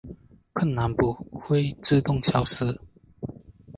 困难不会自动消失